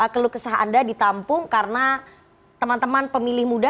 kelukesah anda ditampung karena teman teman pemilih muda